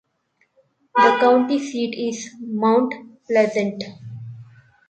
The county seat is Mount Pleasant.